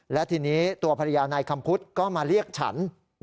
และทีนี้ตัวภรรยานายคำพุทธก็มาเรียกฉัน